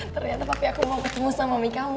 ternyata papi aku mau ketemu sama mami kamu